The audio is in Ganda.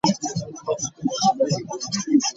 Wano mwenna mbayita baana bange.